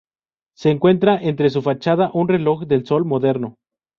Se encuentra entre su fachada un reloj de sol moderno.